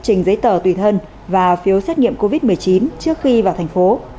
hãy tỏ tùy thân và phiếu xét nghiệm covid một mươi chín trước khi vào thành phố